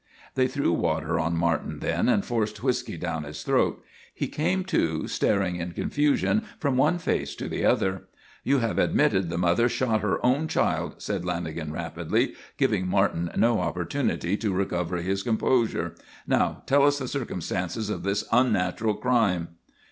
They threw water on Martin then and forced whiskey down his throat. He came to, staring in confusion from one face to the other. "You have admitted the mother shot her own child," said Lanagan rapidly, giving Martin no opportunity to recover his composure. "Now tell us the circumstances of this unnatural crime."